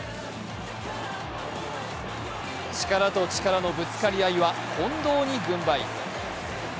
力と力のぶつかり合いは近藤に軍配。